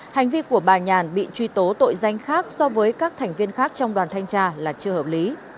hành vi của bà nhàn bị truy tố tội danh khác so với các thành viên khác trong đoàn thanh tra là chưa hợp lý